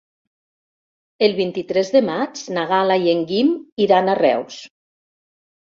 El vint-i-tres de maig na Gal·la i en Guim iran a Reus.